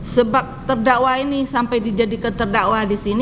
sebab terdakwa ini sampai dijadikan terdakwa disini